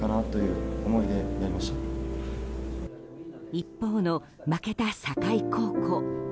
一方の負けた境高校。